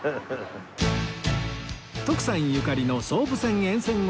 徳さんゆかりの総武線沿線を巡る旅